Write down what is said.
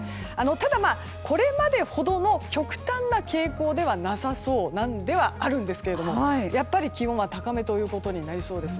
ただ、これまでほどの極端な傾向ではなさそうではあるんですけれども気温は高めとなりそうです。